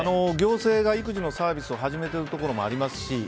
行政が育児のサービスを始めているところもありますし